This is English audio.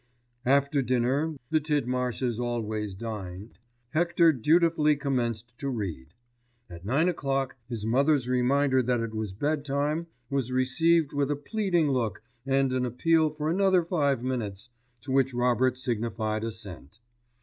After dinner, the Tidmarshes always "dined," Hector dutifully commenced to read. At nine o'clock his mother's reminder that it was bed time was received with a pleading look and an appeal for another five minutes, to which Robert signified assent.